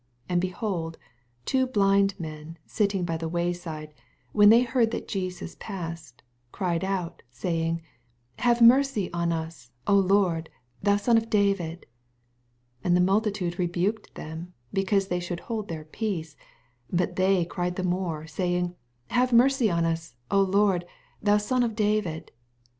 80 And, behold, two blind men Bitting by the way side, when they heara that Jesus passed oy, cried out, saying, Have mercy on us, O Lord, ihou sou of David. 81 And the multitude rebuked them, because they should hold their peace : but they cried the more, say ing, Have mercy on us, Lord, ihou Son of David.